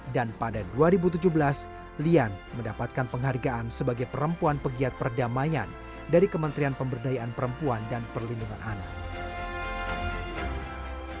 dan pada dua ribu tujuh belas lian mendapatkan penghargaan sebagai perempuan pegiat perdamaian dari kementrian pemberdayaan perempuan dan perlindungan anak